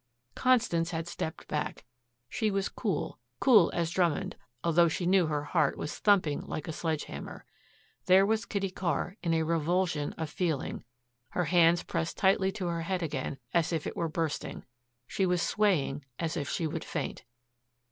Constance had stepped back. She was cool, cool as Drummond, although she knew her heart was thumping like a sledge hammer. There was Kitty Carr, in a revulsion of feeling, her hands pressed tightly to her head again, as if it were bursting. She was swaying as if she would faint.